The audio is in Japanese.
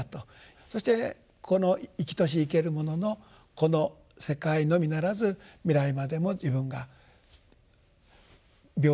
そしてこの生きとし生けるもののこの世界のみならず未来までも自分が平等に見たい。